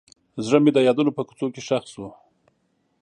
زړه مې د یادونو په کوڅو کې ښخ شو.